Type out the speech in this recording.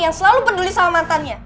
yang selalu peduli sama mantannya